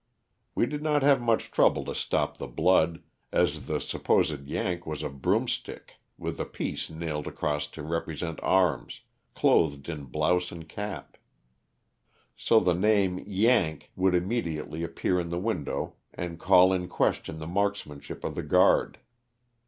We did not have much trouble to stop the blood, as the supposed '^ Yank " was a broom stick with a piece nailed across to represent arms, clothed in blouse and cap ; so the same *' Yank" would immedi LOSS OF THE SULTANA. 75 ately appear in the window and call in question the marksmanship of the guard.